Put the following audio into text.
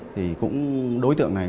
thì cũng đối tượng này